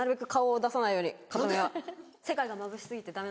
世界がまぶし過ぎてダメ。